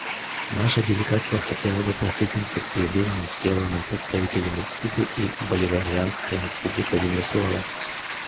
Наша делегация хотела бы присоединиться к заявлениям, сделанным представителями Кубы и Боливарианская Республика Венесуэла.